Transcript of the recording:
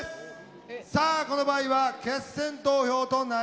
さあこの場合は決選投票となります。